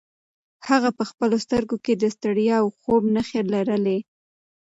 هغه په خپلو سترګو کې د ستړیا او خوب نښې لرلې.